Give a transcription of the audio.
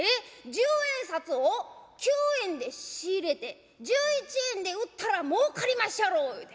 十円札を９円で仕入れて１１円で売ったらもうかりまっしゃろいうて。